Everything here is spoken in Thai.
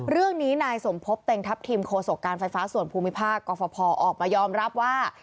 เรื่องนี้นายสมพบเต็งทัพทิมโคศกการไฟฟ้าส่วนภูมิภาคกรฟภออกมายอมรับว่า